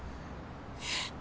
えっ？